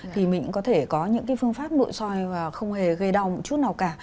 thì mình có thể có những phương pháp nội soi không hề gây đau một chút nào cả